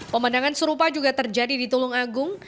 pemandangan serupa juga terjadi di tulung agung